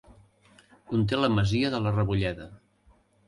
Conté la masia de la Rebolleda.